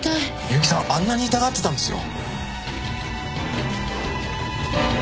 悠木さんあんなに痛がってたんですよ？